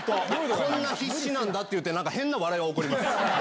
こんな必死なんだって、なんか変な笑いが起こります。